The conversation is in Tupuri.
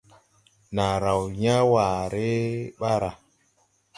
Naa raw yãã waare ɓaara.